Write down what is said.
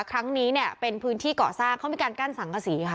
ครั้งนี้เนี่ยเป็นพื้นที่เกาะสร้างเขามีการกั้นสังกษีค่ะ